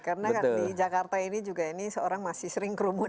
karena kan di jakarta ini juga ini seorang masih sering kerumunan